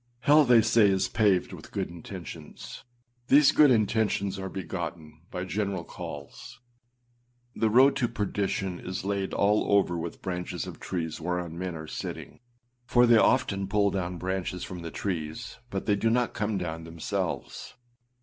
Hell, they say, is paved with good intentions. These good intentions are begotten by general calls. The road to perdition is laid all over with branches of trees whereon men are sitting, for they often pull down branches from the trees but they do not come down themselves.